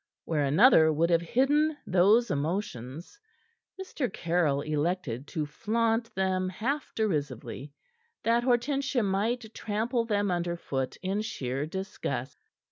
Where another would have hidden those emotions, Mr. Caryll elected to flaunt them half derisively, that Hortensia might trample them under foot in sheer disgust.